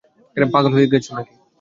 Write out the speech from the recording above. পাগল হয়ে গেছো নাকি?